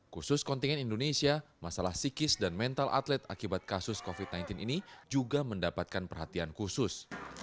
khusus kontingen indonesia masalah psikis dan mental atlet akibat kasus covid sembilan belas ini juga mendapatkan perhatian khusus